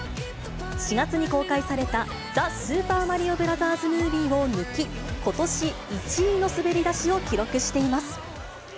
４月に公開された、ザ・スーパーマリオブラザーズ・ムービーを抜き、ことし１位の滑り出しを記録しています。